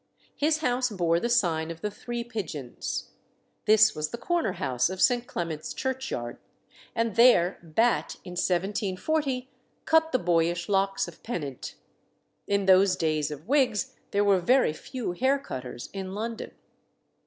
His house bore the sign of the Three Pigeons. This was the corner house of St. Clement's churchyard, and there Bat, in 1740, cut the boyish locks of Pennant. In those days of wigs there were very few hair cutters in London.